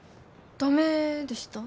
ダメでした？